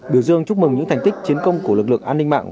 biểu dương chúc mừng những thành tích chiến công của lực lượng an ninh mạng